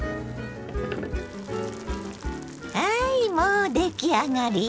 はいもう出来上がりよ！